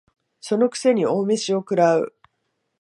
その癖に大飯を食う